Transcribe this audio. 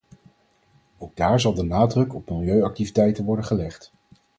Ook daar zal de nadruk op milieuactiviteiten worden gelegd.